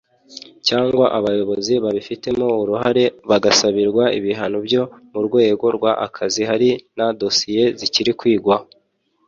cyangwa abayobozi babifitemo uruhare bagasabirwa ibihano byo mu rwego rw akazi Hari na dosiye zikirikwigwaho.